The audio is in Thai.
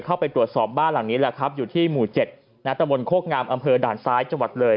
เข้าไปตรวจสอบบ้านหลังนี้แหละครับอยู่ที่หมู่๗ณตะบนโคกงามอำเภอด่านซ้ายจังหวัดเลย